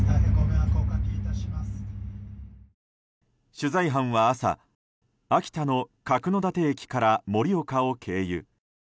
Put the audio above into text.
取材班は朝、秋田の角館駅から盛岡を経由。